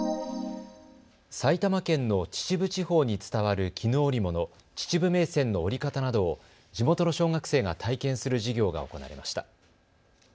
埼玉県の秩父地方に伝わる絹織物、秩父銘仙の織り方など地元の小学生が体験する授業が行われました。